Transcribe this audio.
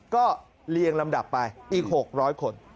ก็เรียงลำดับไปอีก๖๐๐คน